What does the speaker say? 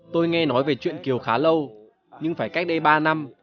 tôi nghe nói về chuyện kiều khá lâu nhưng phải cách đây ba năm